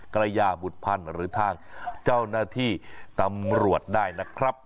กระยาบุตรพันธ์หรือทางเจ้าหน้าที่ตำรวจได้นะครับ